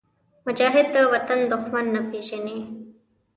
مجاهد د وطن دښمن نه پېژني.